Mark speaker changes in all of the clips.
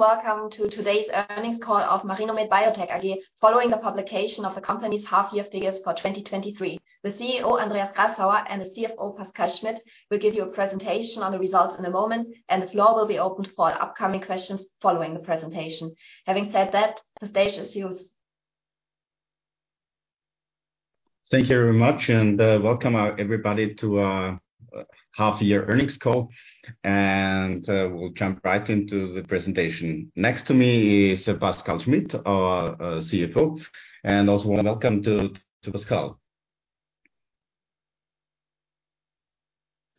Speaker 1: Welcome to today's earnings call of Marinomed Biotech AG, following the publication of the company's half-year figures for 2023. The CEO, Andreas Grassauer, and the CFO, Pascal Schmidt, will give you a presentation on the results in a moment, and the floor will be opened for upcoming questions following the presentation. Having said that, the stage is yours.
Speaker 2: Thank you very much, welcome everybody, to our half-year earnings call. We'll jump right into the presentation. Next to me is Pascal Schmidt, our CFO, and also want to welcome to Pascal.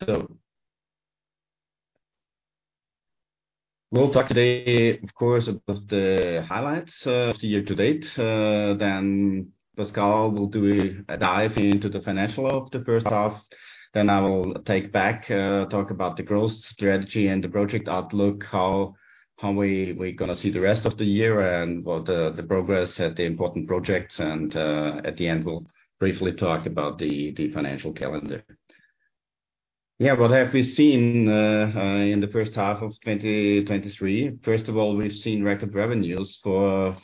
Speaker 2: Today, we will talk about the year-to-date highlights. Pascal will provide a detailed review of the first-half financials. I will take back, talk about the growth strategy and the project outlook, how we will see the rest of the year. and the progress of the key projects. At the end, we'll briefly talk about the financial calendar. what have we seen in the first half of 2023? First of all, we've seen record revenues for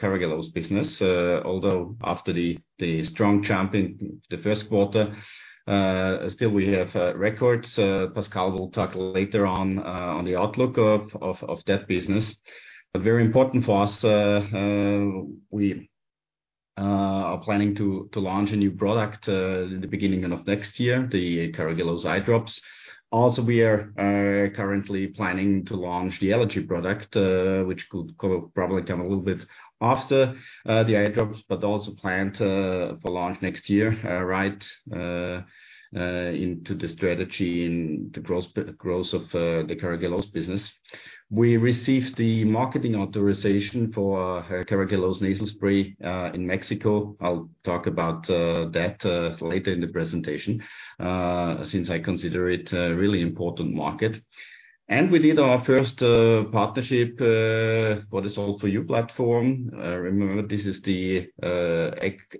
Speaker 2: Carragelose business, although after the strong jump in the Q1, still we have records. Pascal will talk later on on the outlook of that business. Very important for us, we are planning to launch a new product in the beginning of next year, the Carragelose eye drops. Also, we are currently planning to launch the allergy product, which could probably come a little bit after the eye drops, but also planned for launch next year, right into the strategy in the growth of the Carragelose business. We received the marketing authorization for Carragelose nasal spray in Mexico. I'll talk about that later in the presentation, since I consider it a really important market. We did our first partnership, what is Solv4U platform. Remember, this is the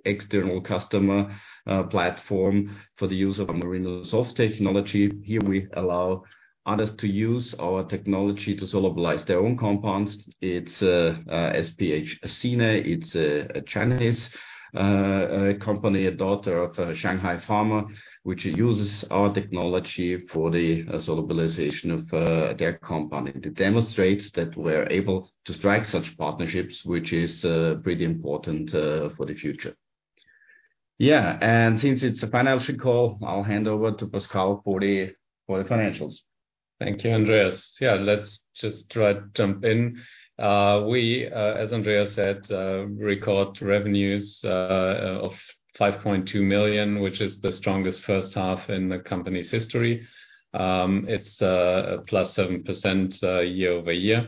Speaker 2: external customer platform for the use of Marinosolv technology. Here we allow others to use our technology to solubilize their own compounds. It's SPH Sine, it's a Chinese company, a daughter of Shanghai Pharma, which uses our technology for the solubilization of their compound. This partnership demonstrates that we are able to form such agreements, which is pretty important for the future. Since it's a financial call, I'll hand over to Pascal for the financials.
Speaker 3: Thank you, Andreas. let's just try to jump in. We, as Andreas said, record revenues of 5.2 million, which is the strongest first half in the company's history. It's a +7% year-over-year,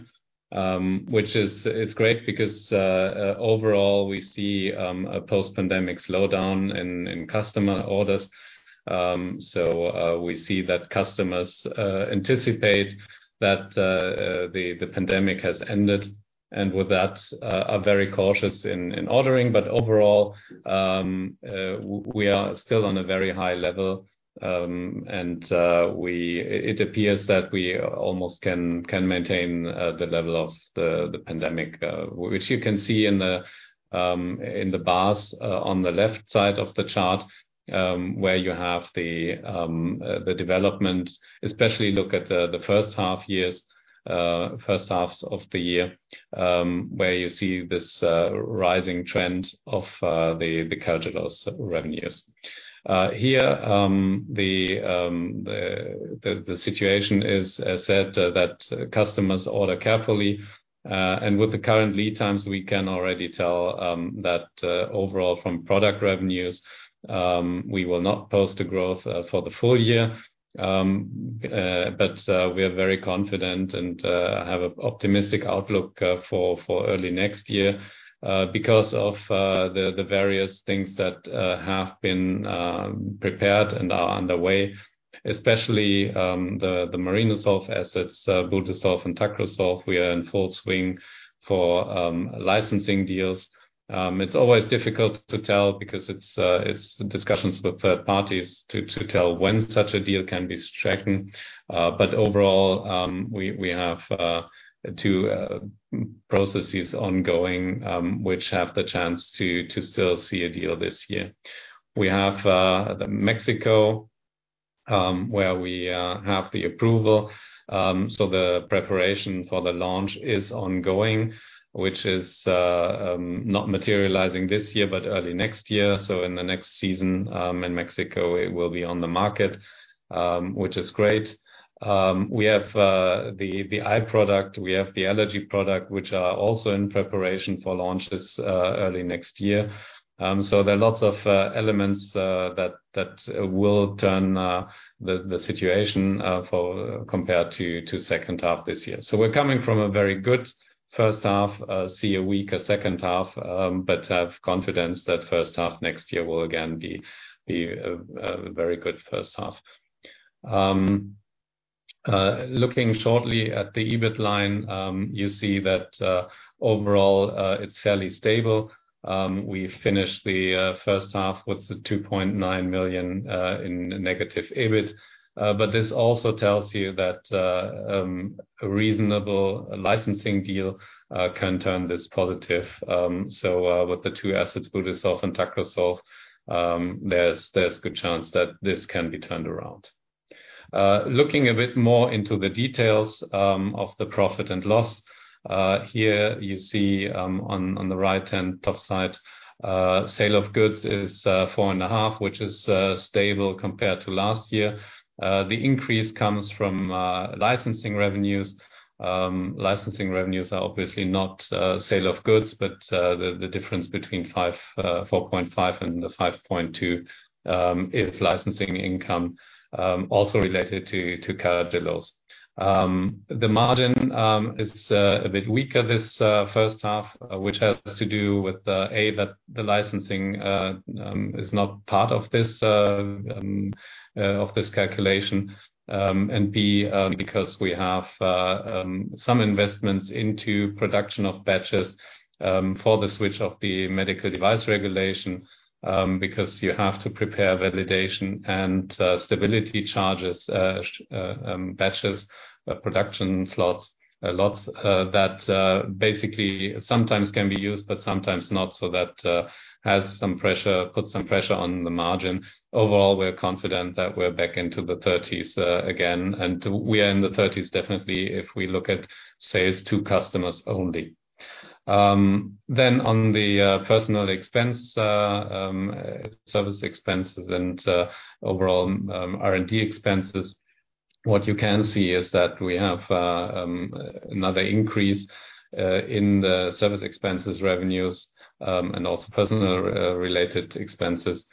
Speaker 3: which is, it's great because overall, we see a post-pandemic slowdown in customer orders. We see that customers anticipate that the pandemic has ended, and with that, are very cautious in ordering. Overall, w- we are still on a very high level. It appears that we almost can maintain the level of the pandemic, which you can see in the bars on the left side of the chart, where you have the development. Especially look at the first half years, first halves of the year, where you see this rising trend of the Carragelose revenues. Here, the situation is as said, that customers order carefully, and with the current lead times, we can already tell that overall from product revenues, we will not post a growth for the full year. We are very confident and have an optimistic outlook for early next year because of the various things that have been prepared and are underway, especially the Marinosolv assets, Budesolv and Tacrosolv, we are in full swing for licensing deals. It's always difficult to tell because it's discussions with third parties to tell when such a deal can be stricken. Overall, we have two processes ongoing which have the chance to still see a deal this year. We have the Mexico where we have the approval. The preparation for the launch is ongoing, which is not materializing this year, but early next year. In the next season, in Mexico, it will be on the market, which is great. We have the eye product, we have the allergy product, which are also in preparation for launch this early next year. There are lots of elements that will turn the situation for compared to second half this year. We're coming from a very good first half, see a weaker second half, but have confidence that first half next year will again be a very good first half. Looking shortly at the EBIT line, you see that overall, it's fairly stable. We finished the first half with 2.9 million in negative EBIT. This also tells you that a reasonable licensing deal can turn this positive. With the two assets, Budesolv and Tacrosolv, there's good chance that this can be turned around. Looking a bit more into the details of the profit and loss, here you see on the right-hand top side, sale of goods is 4.5, which is stable compared to last year. The increase comes from licensing revenues. Licensing revenues are obviously not sale of goods, but the difference between 4.5 and the 5.2 is licensing income also related to Carragelose. The margin is a bit weaker this first half, which has to do with A, that the licensing is not part of this calculation. And B, because we have some investments into production of batches for the switch of the Medical Device Regulation, because you have to prepare validation and stability charges, batches, production slots, lots that basically sometimes can be used, but sometimes not. These investments put pressure on margins. Overall, we're confident that we're back into the thirties again, and we are in the thirties definitely if we look at sales to customers only. On the personal expense, service expenses and overall R&D expenses, what you can see is that we have another increase in the service expenses, revenues, and also personal related expenses.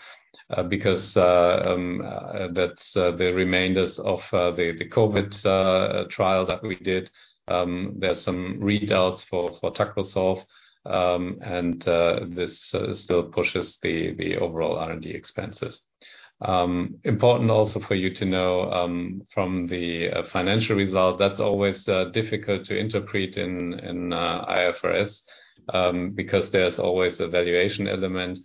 Speaker 3: Because that's the remainders of the COVID trial that we did. There's some readouts for Tacrosolv, and this still pushes the overall R&D expenses. Important also for you to know, from the financial result, that's always difficult to interpret in IFRS, because there's always a valuation element.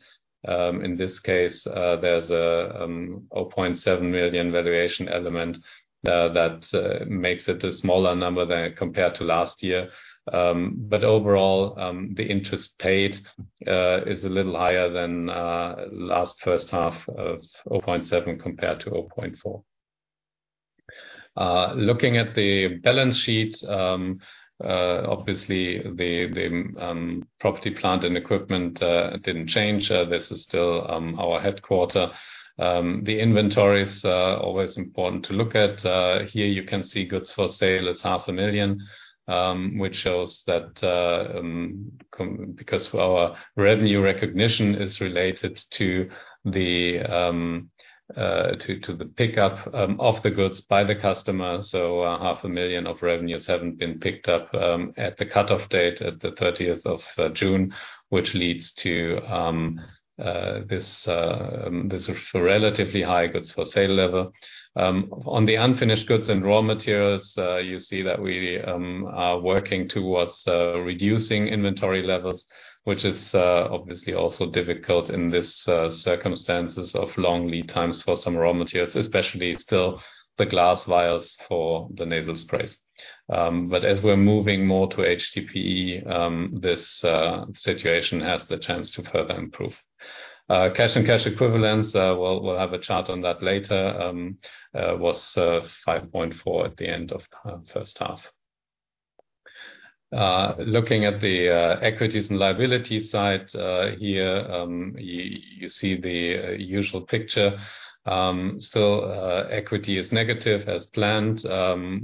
Speaker 3: In this case, there's a 0.7 million valuation element that makes it a smaller number than compared to last year. Overall, the interest paid is a little higher than last first half of 0.7 compared to 0.4. Looking at the balance sheet, obviously, the property, plant and equipment didn't change. This is still our headquarter. The inventory is always important to look at. Here you can see goods for sale is 500,000, which shows that because our revenue recognition is related to the pickup of the goods by the customer. 500,000 of revenues haven't been picked up at the cutoff date at the 30th of June, which leads to this relatively high goods for sale level. On the unfinished goods and raw materials, you see that we are working towards reducing inventory levels, which is obviously also difficult in this circumstances of long lead times for some raw materials, especially still the glass vials for the nasal sprays. As we're moving more to HTPE, this situation has the chance to further improve. Cash and cash equivalents, we'll have a chart on that later, was 5.4 at the end of first half. Looking at the equities and liability side, here, you see the usual picture. Equity is negative as planned.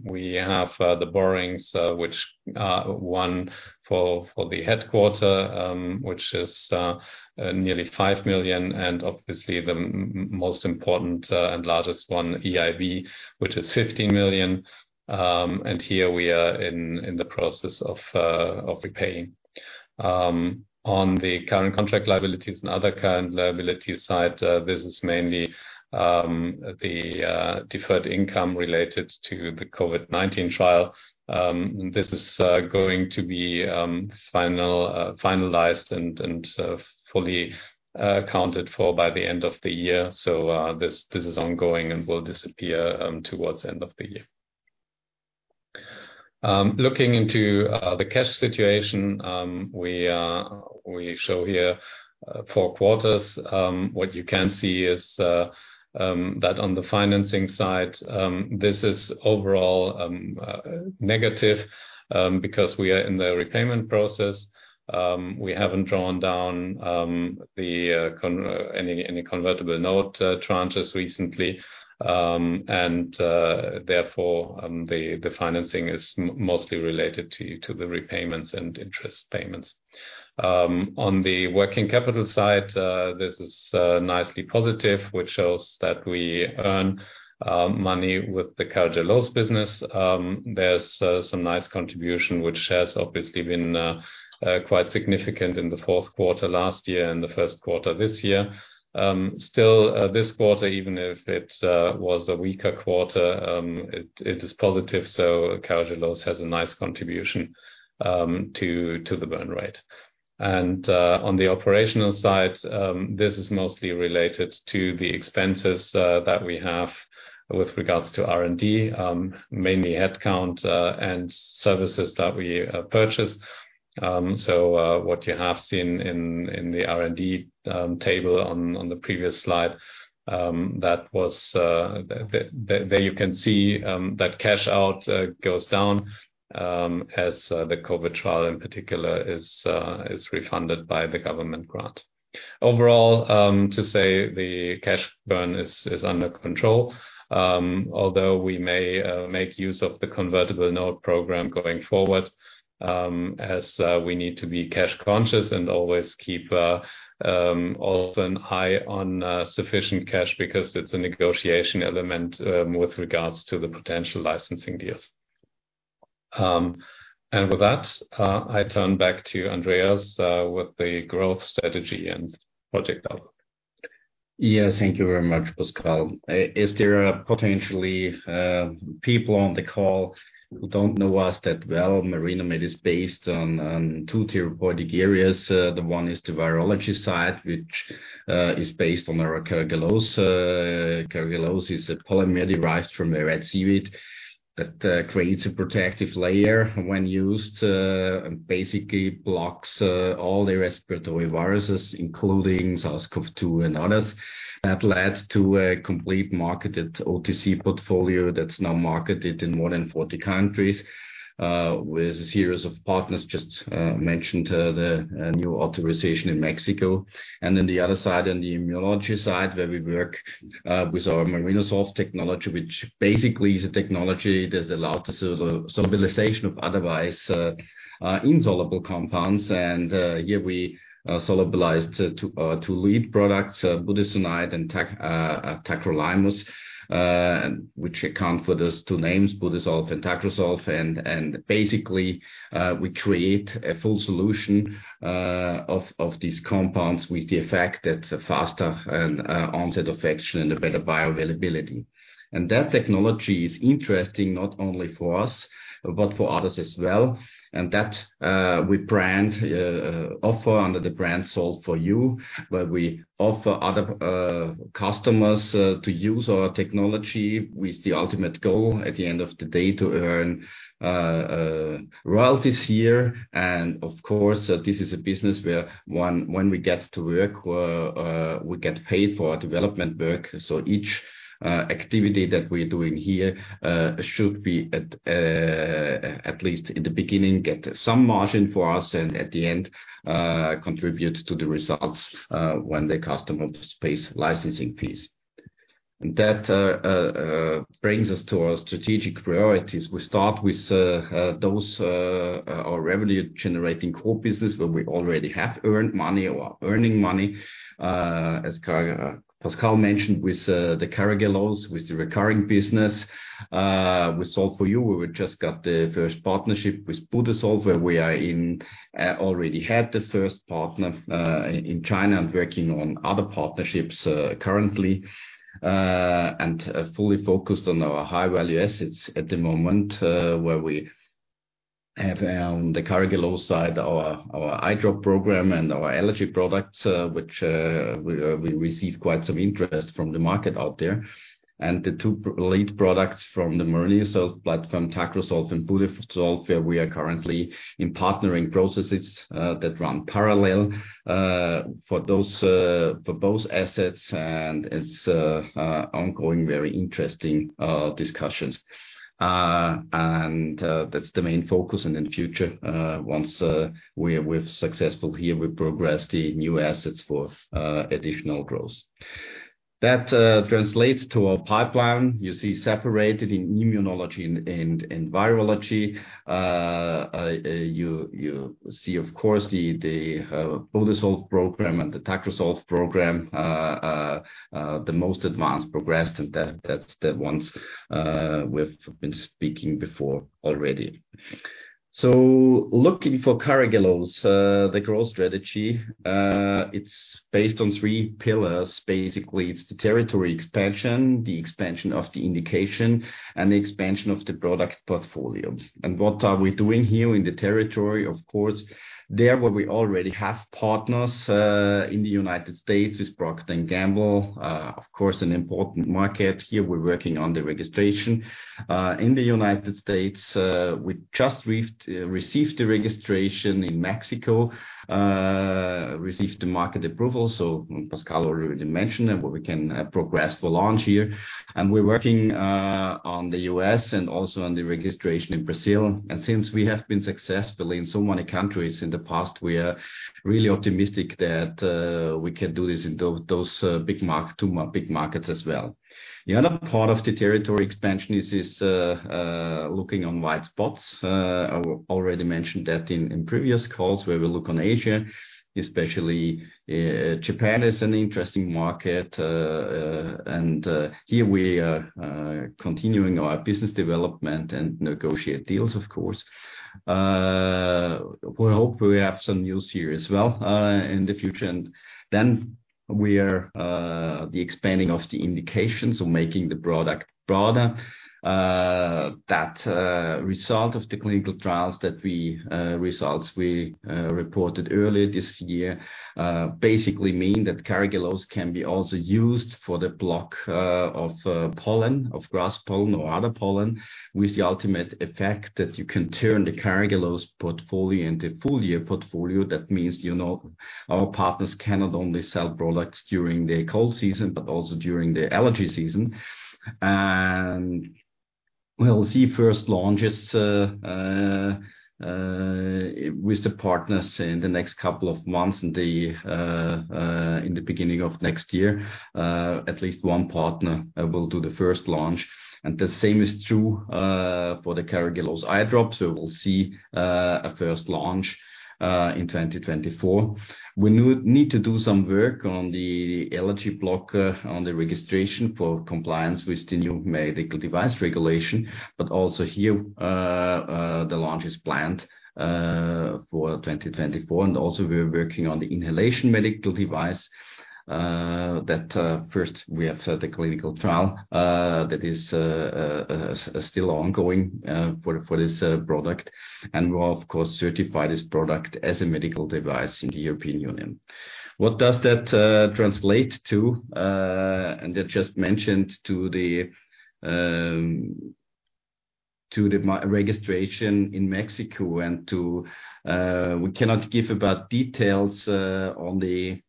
Speaker 3: We have the borrowings, which one for, for the headquarter, which is nearly 5 million, and obviously the most important and largest one, EIB, which is 50 million. Here we are in the process of repaying. On the current contract liabilities and other current liabilities side, this is mainly the deferred income related to the COVID-19 trial. This is going to be final, finalized and fully accounted for by the end of the year. This, this is ongoing and will disappear towards the end of the year. Looking into the cash situation, we show here 4 quarters. What you can see is that on the financing side, this is overall negative because we are in the repayment process. We haven't drawn down the any, any convertible note tranches recently. Therefore, the financing is mostly related to the repayments and interest payments. On the working capital side, this is nicely positive, which shows that we earn money with the Carragelose business. There's some nice contribution, which has obviously been quite significant in the Q4 last year and the Q1 this year. Still, this quarter, even if it was a weaker quarter, it is positive, so Carragelose has a nice contribution to the burn rate. On the operational side, this is mostly related to the expenses that we have with regards to R&D, mainly headcount and services that we purchase. What you have seen in the R&D table on the previous slide, that was there you can see that cash out goes down as the COVID trial in particular is refunded by the government grant. Overall, to say the cash burn is under control, although we may make use of the convertible note program going forward, as we need to be cash conscious and always keep often eye on sufficient cash, because it's a negotiation element with regards to the potential licensing deals. With that, I turn back to Andreas, with the growth strategy and project outlook.
Speaker 2: Thank you very much, Pascal. As there are potentially people on the call who don't know us that well, Marinomed is based on 2 therapeutic areas. The one is the virology side, which is based on our Carragelose, Carrageen moss is a polymer derived from a red seaweed that creates a protective layer when used and basically blocks all the respiratory viruses, including SARS-CoV-2 and others. That led to a complete marketed OTC portfolio that's now marketed in more than 40 countries, with a series of partners, just mentioned the new authorization in Mexico. Then the other side, in the immunology side, where we work with our Marinosolv technology, which basically is a technology that allows the solubilization of otherwise insoluble compounds. Here we solubilized 2 lead products, budesonide and tacrolimus, which account for those 2 names, Budesolv and Tacrosolv. Basically, we create a full solution of these compounds with the effect that faster and onset of action and a better bioavailability. That technology is interesting not only for us, but for others as well, and that we brand offer under the brand Solv4U, where we offer other customers to use our technology with the ultimate goal at the end of the day, to earn royalties here. Of course, this is a business where when we get to work, we get paid for our development work. Each activity that we're doing here should be at, at least in the beginning, get some margin for us, and at the end, contributes to the results when the customer pays licensing fees. That brings us to our strategic priorities. We start with those, our revenue generating core business, where we already have earned money or are earning money, as Pascal mentioned, with the Carragelose, with the recurring business. With Solv4U, we just got the first partnership with Budesolv, where we are in, already had the first partner in China and working on other partnerships currently. Fully focused on our high-value assets at the moment, where we have the carrageen moss side, our eye drop program and our allergy products, which we receive quite some interest from the market out there. The two lead products from the Marinosolv platform, Tacrosolv and Budesolv, where we are currently in partnering processes that run parallel for those for both assets. It's ongoing, very interesting discussions. That's the main focus. In the future, once we are with successful here, we progress the new assets for additional growth. That translates to our pipeline. You see, separated in immunology and, and, and virology. You, you see, of course, the, the Budesolv program and the Tacrosolv program, the most advanced progressed, and that, that's the ones we've been speaking before already. Looking for Carragelose, the growth strategy, it's based on 3 pillars. Basically, it's the territory expansion, the expansion of the indication, and the expansion of the product portfolio. What are we doing here in the territory? Of course, there where we already have partners, in the United States with Procter & Gamble, of course, an important market. Here, we're working on the registration, in the United States. We just reced, received the registration in Mexico, received the market approval, so Pascal already mentioned that we can progress for launch here. We're working, on the US and also on the registration in Brazil. Since we have been successful in so many countries in the past, we are really optimistic that we can do this in those big market, two big markets as well. The other part of the territory expansion is looking on white spots. I already mentioned that in previous calls, where we look on Asia, especially, Japan is an interesting market. Here we are continuing our business development and negotiate deals, of course. We hope we have some news here as well, in the future. Then we are the expanding of the indications or making the product broader. That results we reported earlier this year basically mean that Carragelose can be also used for the block of pollen, of grass pollen or other pollen, with the ultimate effect that you can turn the Carragelose portfolio into full year portfolio. That means, your partners cannot only sell products during the cold season, but also during the allergy season. We'll see first launches with the partners in the next couple of months, in the beginning of next year, at least one partner will do the first launch, and the same is true for the Carragelose eye drops. We'll see a first launch in 2024. We need to do some work on the allergy block on the registration for compliance with the new Medical Device Regulation, but also here, the launch is planned for 2024. We're also working on the inhalation medical device that first we have the clinical trial that is still ongoing for this product. We'll, of course, certify this product as a medical device in the European Union. What does that translate to? That just mentioned to the registration in Mexico and to, we cannot give about details on the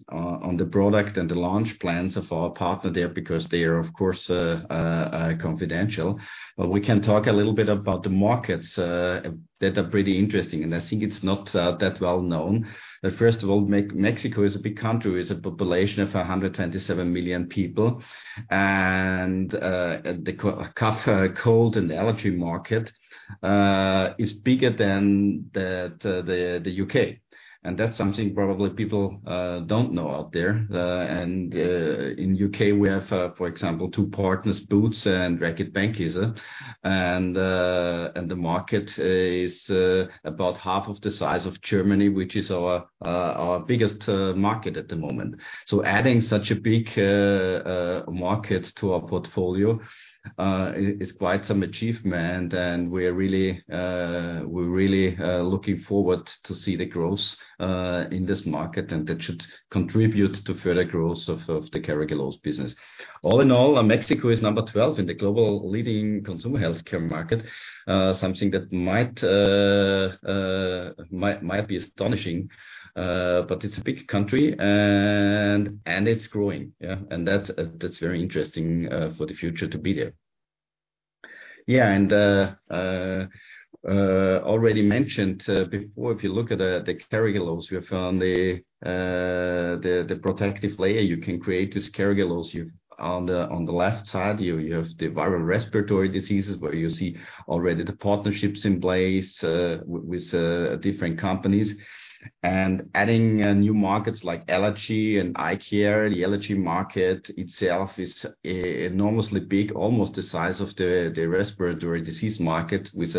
Speaker 2: product and the launch plans of our partner there, because they are, of course, confidential. We can talk a little bit about the markets that are pretty interesting, and I think it's not that well known. First of all, Mexico is a big country, with a population of 127 million people. The cough, cold and the allergy market is bigger than the U.K. That's something probably people don't know out there. In U.K., we have, for example, 2 partners, Boots and Reckitt Benckiser. The market is about half of the size of Germany, which is our biggest market at the moment. Adding such a big market to our portfolio is quite some achievement, and we are really, we're really looking forward to see the growth in this market, and that should contribute to further growth of the Carragelose business. All in all, Mexico is number 12 in the global leading consumer healthcare market. Something that might, might be astonishing, but it's a big country, and it's growing. That's, that's very interesting for the future to be there. Already mentioned before, if you look at the Carragelose, we have on the protective layer, you can create this Carragelose. You, on the left side, you have the viral respiratory diseases, where you see already the partnerships in place with different companies. Adding new markets like allergy and eye care. The allergy market itself is enormously big, almost the size of the respiratory disease market, with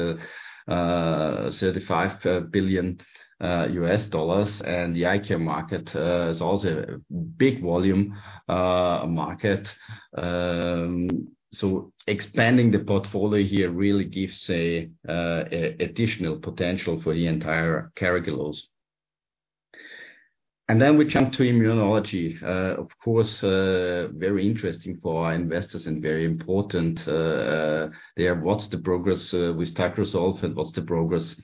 Speaker 2: $35 billion. The eye care market is also a big volume market. So expanding the portfolio here really gives an additional potential for the entire Carragelose. Then we jump to immunology. Of course, very interesting for our investors and very important there. What's the progress with Tacrosolv and what's the progress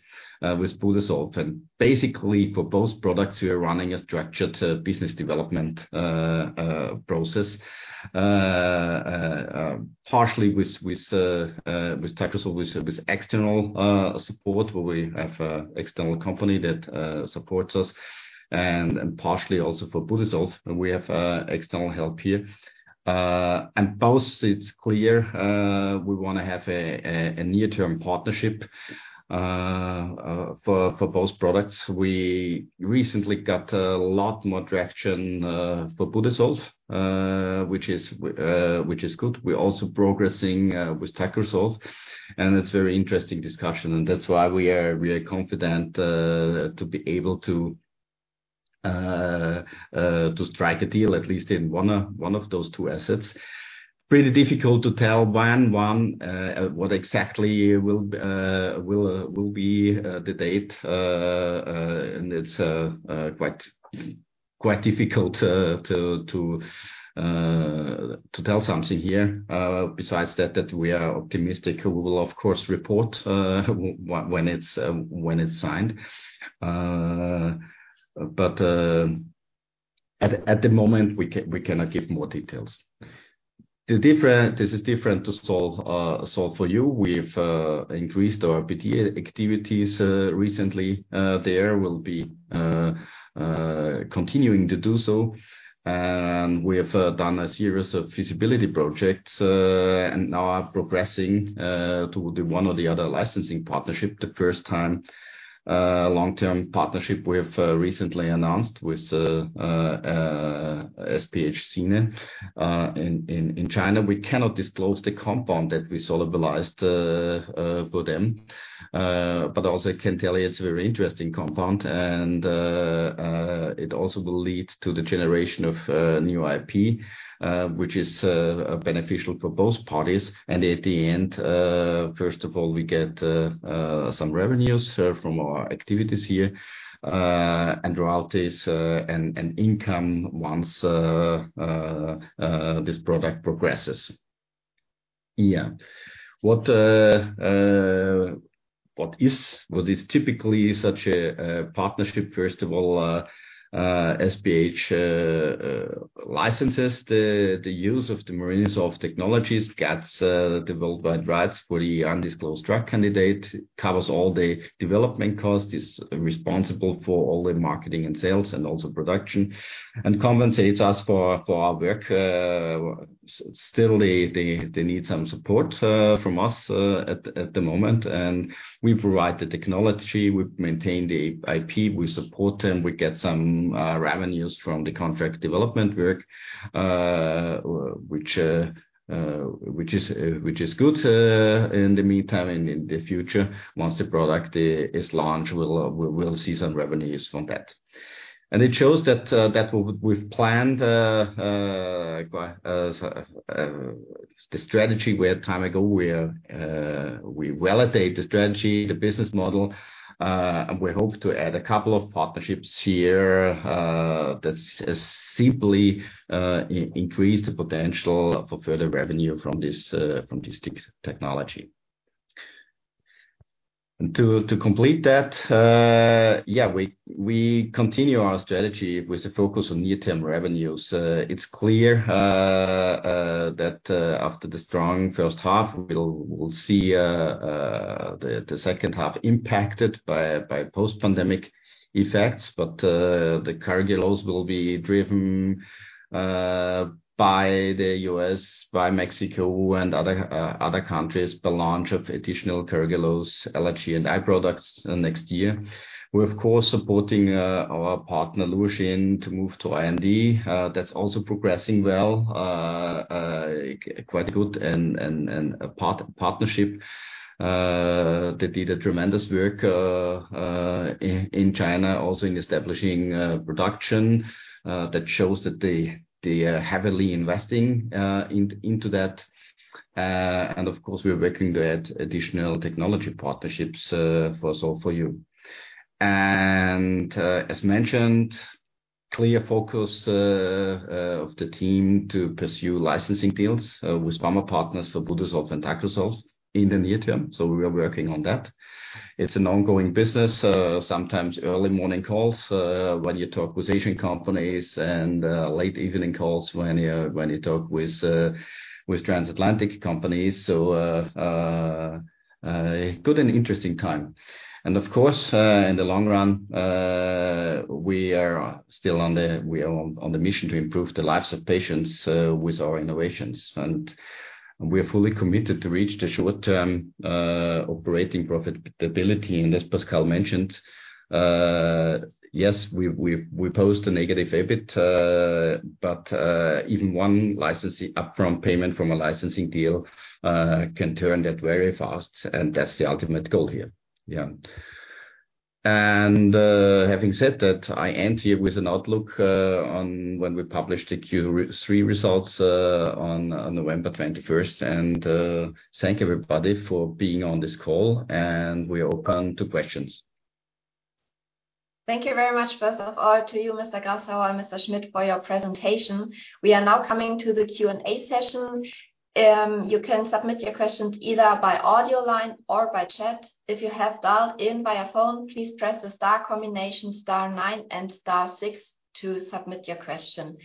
Speaker 2: with Budesolv? Basically, for both products, we are running a structured business development process, partially with Tacrosolv, with external support, where we have an external company that supports us, and partially also for Budesolv, we have external help here. Both, it's clear, we wanna have a near-term partnership for both products. We recently got a lot more traction for Budesolv, which is good. We're also progressing with Tacrosolv, and it's very interesting discussion, and that's why we are really confident to be able to strike a deal, at least in one, one of those two assets. Pretty difficult to tell when one, what exactly will will will be the date. It's quite, quite difficult to tell something here. Besides that, we are optimistic. We will, of course, report when it's when it's signed. At the moment, we cannot give more details. The different-- This is different to Solv4U. We've increased our PTA activities recently. There will be continuing to do so. We have done a series of feasibility projects and now are progressing to the one or the other licensing partnership. The first time, long-term partnership we have recently announced with SPH Sine. In, in, in China, we cannot disclose the compound that we solubilized for them. Also I can tell you it's a very interesting compound, and it also will lead to the generation of new IP, which is beneficial for both parties. At the end, first of all, we get some revenues from our activities here, and royalties, and income once this product progresses. What is typically such a partnership? First of all, SPH licenses the use of the Marinosolv Technologies, gets developed by rights for the undisclosed drug candidate, covers all the development costs, is responsible for all the marketing and sales, and also production, and compensates us for our work. Still, they need some support from us at the moment, and we provide the technology, we maintain the IP, we support them, we get some revenues from the contract development work, which is, which is good in the meantime, and in the future, once the product is launched, we'll see some revenues from that. It shows that we've planned the strategy we had time ago, where we validate the strategy, the business model, and we hope to add a couple of partnerships here that simply increase the potential for further revenue from this tech, technology. To complete that, we continue our strategy with the focus on near-term revenues. ter the strong first half, we'll see the second half impacted by post-pandemic effects, but the Carragelose will be driven by the U.S., by Mexico, and other countries, the launch of additional Carragelose allergy and eye products next year. We're of course, supporting our partner, Luoxin, to move to R&D. That's also progressing well, quite good, and a partnership. They did a tremendous work in China, also in establishing production. That shows that they are heavily investing into that. And of course, we are working to add additional technology partnerships for Solv4U r focus of the team to pursue licensing deals with pharma partners for Budesolv and Tacrosolv in the near term. We are working on that. It's an ongoing business, sometimes early morning calls when you talk with Asian companies, and late evening calls when you, when you talk with transatlantic companies. Good and interesting time. Of course, in the long run, we are still on the mission to improve the lives of patients with our innovations, and we are fully committed to reach the short-term operating profitability. As Pascal mentioned, yes, we post a negative EBIT, but even one licensing upfront payment from a licensing deal can turn that very fast, and that's the ultimate goal here. Having said that, I end here with an outlook, on when we publish the Q3 results, on November 21st. Thank everybody for being on this call, and we are open to questions.
Speaker 1: Thank you very much, first of all, to you, Mr. Grassauer and Mr. Schmidt, for your presentation. We are now coming to the Q&A session. You can submit your questions either by audio line or by chat. If you have dialed in by a phone, please press the star combination star nine and star six to submit your question.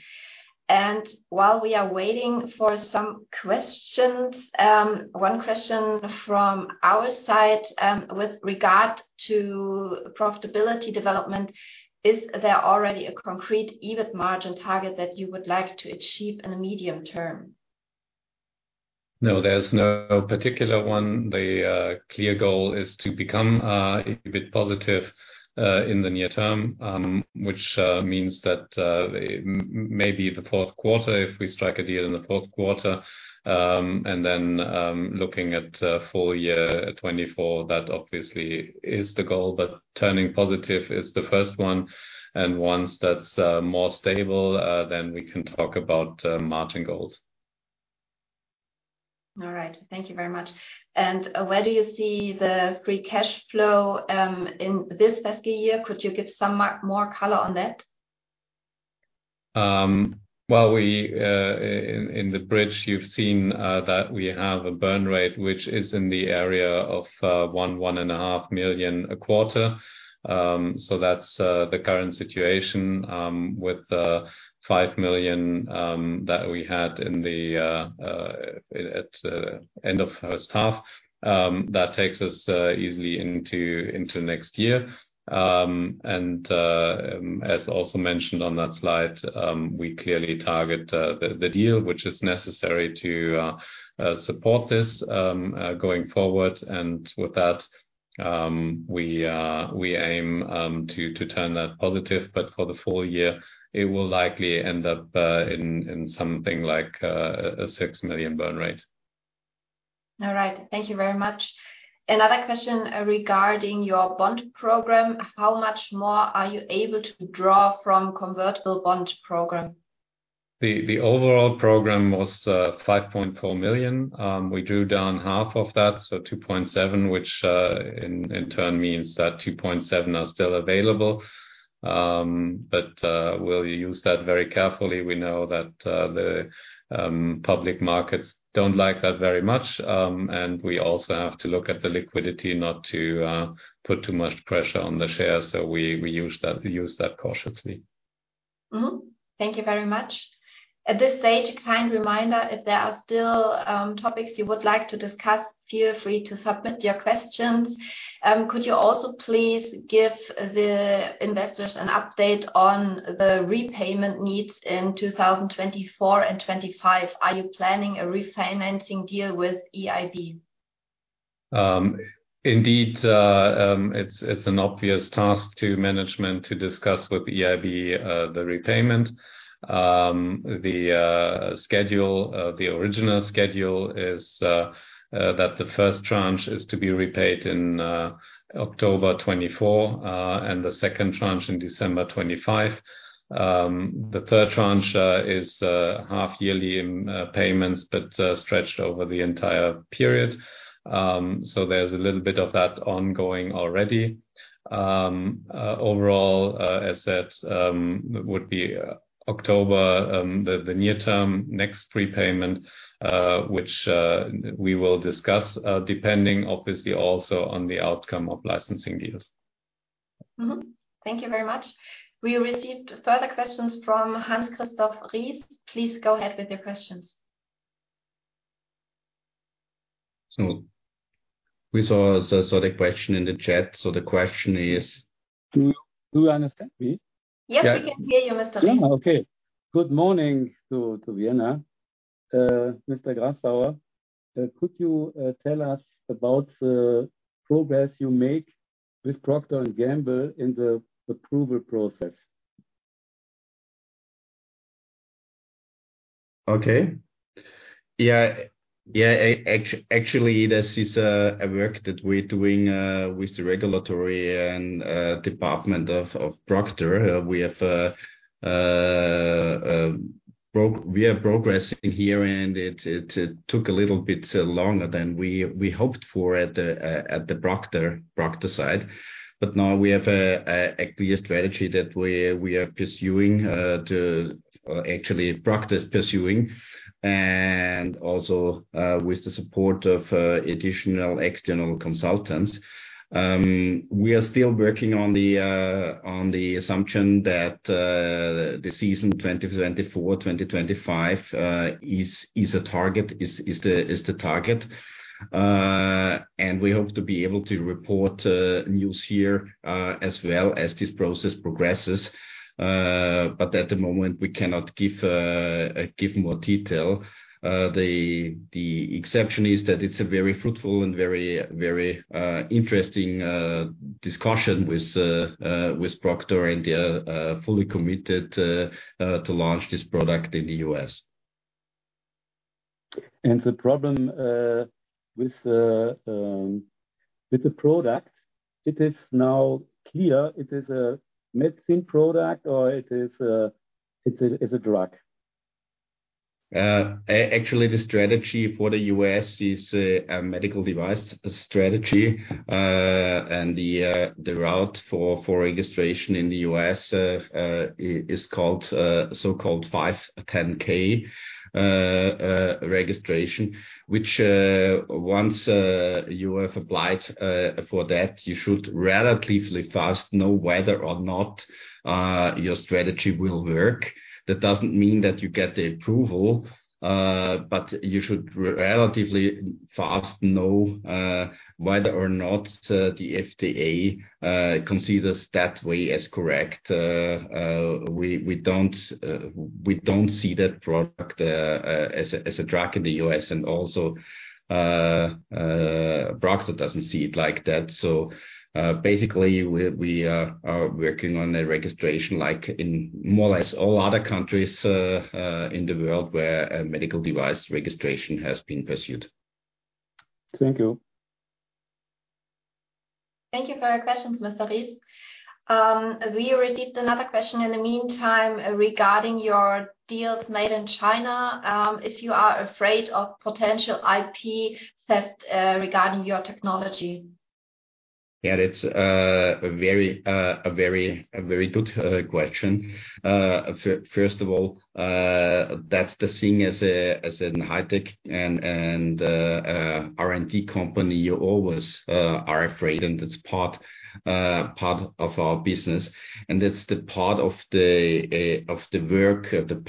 Speaker 1: While we are waiting for some questions, one question from our side, with regard to profitability development, is there already a concrete EBIT margin target that you would like to achieve in the medium term?
Speaker 2: No, there's no particular one. The clear goal is to become a bit positive in the near term, which means that maybe the Q4, if we strike a deal in the Q4. Looking at full year 2024, that obviously is the goal, but turning positive is the first one, and once that's more stable, then we can talk about margin goals.
Speaker 1: All right, thank you very much. Where do you see the free cash flow in this fiscal year? Could you give some more color on that?
Speaker 3: Well, we in, in the bridge, you've seen that we have a burn rate, which is in the area of 1 million-1.5 million a quarter. That's the current situation with the 5 million that we had at the end of first half. That takes us easily into next year. As also mentioned on that slide, we clearly target the deal, which is necessary to support this going forward. With that, we aim to turn that positive, but for the full year, it will likely end up in something like a 6 million burn rate.
Speaker 1: All right. Thank you very much. Another question regarding your bond program. How much more are you able to draw from convertible bond program?
Speaker 3: The, the overall program was 5.4 million. We drew down half of that, so 2.7 million, which in, in turn means that 2.7 million are still available. We'll use that very carefully. We know that the public markets don't like that very much, and we also have to look at the liquidity not to put too much pressure on the shares. We, we use that, we use that cautiously.
Speaker 1: Thank you very much. At this stage, a kind reminder, if there are still topics you would like to discuss, feel free to submit your questions. Could you also please give the investors an update on the repayment needs in 2024 and 2025? Are you planning a refinancing deal with EIB?
Speaker 3: Indeed, it's an obvious task to management to discuss with EIB the repayment. The schedule, the original schedule is that the first tranche is to be repaid in October 2024, and the second tranche in December 2025. The third tranche is half yearly in payments, but stretched over the entire period. There's a little bit of that ongoing already. Overall, as said, would be October, the near term, next prepayment, which we will discuss depending obviously also on the outcome of licensing deals.
Speaker 1: Mm-hmm. Thank you very much. We received further questions from [Hans Christoph Rees]. Please go ahead with your questions.
Speaker 2: We saw the question in the chat. The question is.
Speaker 4: Do, do you understand me?
Speaker 1: Yes, we can hear you, Mr. Rees.
Speaker 4: Okay. Good morning to, to Vienna. Mr. Grassauer, could you tell us about the progress you make with Procter & Gamble in the approval process?
Speaker 2: Okay. actually, this is a work that we're doing with the regulatory and department of Procter. We are progressing here, and it took a little bit longer than we hoped for at the Procter side. Now we have a clear strategy that we are pursuing, to. Actually, Procter is pursuing, and also with the support of additional external consultants. We are still working on the assumption that the season 2024, 2025 is a target, is, is the, is the target. And we hope to be able to report news here as well as this process progresses. But at the moment, we cannot give more detail. The, the exception is that it's a very fruitful and very, very, interesting discussion with, with Procter. They are fully committed to launch this product in the US.
Speaker 4: The problem, with the, with the product, it is now clear it is a medicine product or it is a, it's a, it's a drug?
Speaker 2: Actually, the strategy for the US is a medical device strategy, and the route for registration in the US is called so-called 510(k) registration, which once you have applied for that, you should relatively fast know whether or not your strategy will work. That doesn't mean that you get the approval, but you should relatively fast know whether or not the FDA considers that way as correct. We don't, we don't see that product as a drug in the US, and also Procter doesn't see it like that. Basically, we are working on a registration like in more or less all other countries in the world where a medical device registration has been pursued.
Speaker 4: Thank you.
Speaker 1: Thank you for your questions, Mr. Rees. We received another question in the meantime regarding your deals made in China, if you are afraid of potential IP theft regarding your technology?
Speaker 2: It's a very, a very, a very good question. First of all, that's the thing as a, as in high tech and, and R&D company, you always are afraid, and it's part, part of our business. That's the part of the work, the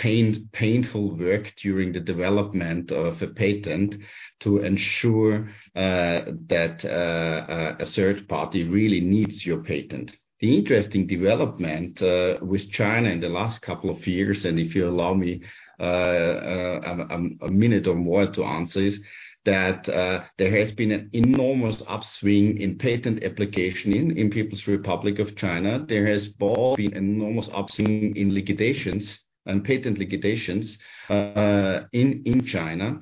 Speaker 2: painful work during the development of a patent to ensure that a third party really needs your patent. The interesting development with China in the last couple of years, and if you allow me a minute or more to answer, is that there has been an enormous upswing in patent application in People's Republic of China. There has also been enormous upswing in litigations and patent litigations in China.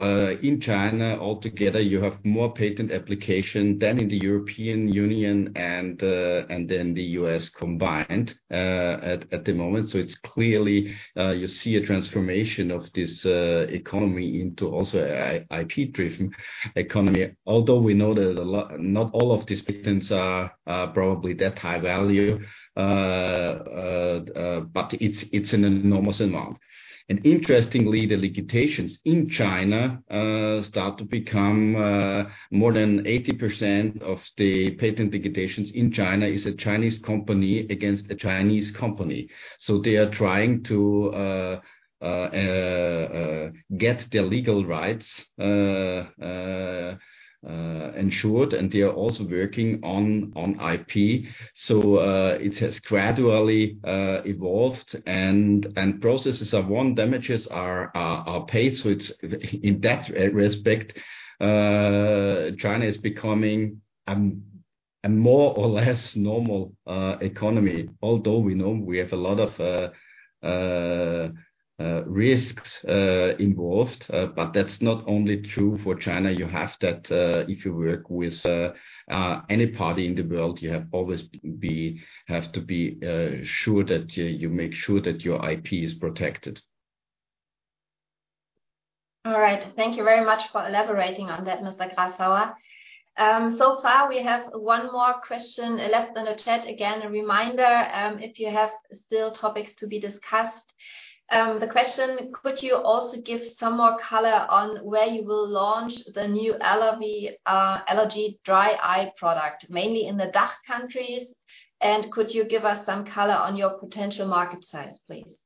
Speaker 2: In China, altogether, you have more patent application than in the European Union and then the US combined at the moment. It's clearly, you see a transformation of this economy into also a IP-driven economy. Although we know that not all of these patents are probably that high value, but it's an enormous amount. Interestingly, the litigations in China start to become more than 80% of the patent litigations in China is a Chinese company against a Chinese company. They are trying to get their legal rights ensured, and they are also working on IP. It has gradually evolved, and processes are won, damages are paid. It's, in that respect, China is becoming a more or less normal economy, although we know we have a lot of risks involved. That's not only true for China. You have that, if you work with any party in the world, you have always be, have to be sure that you, you make sure that your IP is protected.
Speaker 1: All right. Thank you very much for elaborating on that, Mr. Grassauer. So far, we have one more question left in the chat. Again, a reminder, if you have still topics to be discussed. The question: Could you also give some more color on where you will launch the new Allergy dry eye product, mainly in the DACH countries? Could you give us some color on your potential market size, please?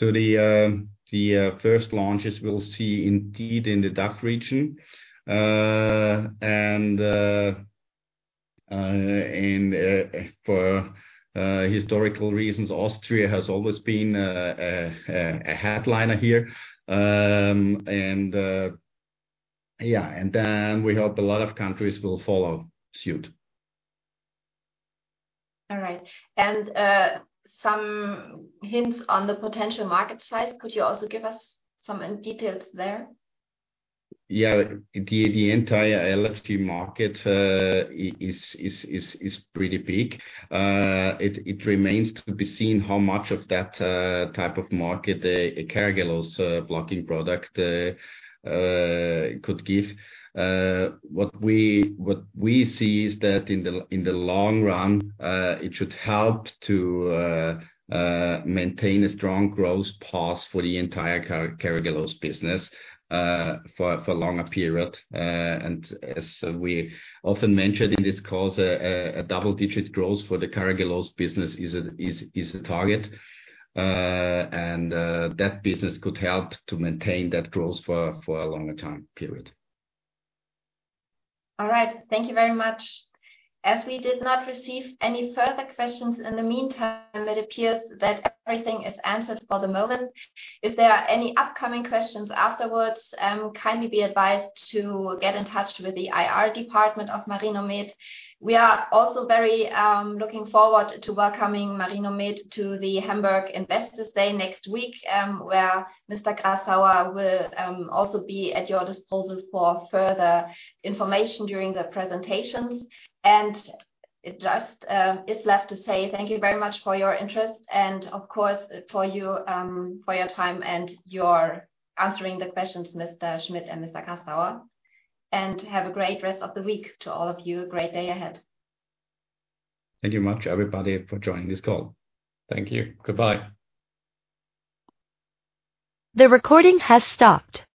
Speaker 2: The first launches we'll see indeed in the DACH region. For historical reasons, Austria has always been a headliner here. and then we hope a lot of countries will follow suit.
Speaker 1: All right. Some hints on the potential market size, could you also give us some details there?
Speaker 2: The entire allergy market is, is, is, is pretty big. It remains to be seen how much of that type of market the Carragelose blocking product could give. What we, what we see is that in the long run, it should help to maintain a strong growth path for the entire Carragelose business for, for a longer period. As we often mentioned in this course, a double-digit growth for the Carragelose business is a, is, is a target. That business could help to maintain that growth for, for a longer time period.
Speaker 1: All right. Thank you very much. As we did not receive any further questions in the meantime, it appears that everything is answered for the moment. If there are any upcoming questions afterwards, kindly be advised to get in touch with the IR department of Marinomed. We are also very looking forward to welcoming Marinomed to the Hamburg Investor Days next week, where Mr. Grassauer will also be at your disposal for further information during the presentations. It just is left to say thank you very much for your interest and of course, for your time and your answering the questions, Mr. Schmidt and Mr. Grassauer. Have a great rest of the week to all of you. A great day ahead.
Speaker 2: Thank you much, everybody, for joining this call. Thank you. Goodbye. The recording has stopped.